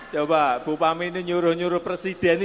coba bu pami ini nyuruh nyuruh presiden ini